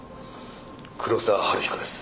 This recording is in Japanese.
黒沢春彦です。